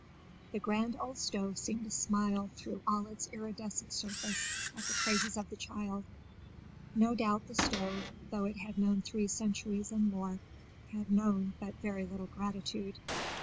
The grand old stove seemed to smile through all its iridescent surface at the praises of the child. No doubt the stove, though it had known three centuries and more, had known but very little gratitude.